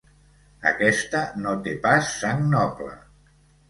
Aquesta no té pas sang noble.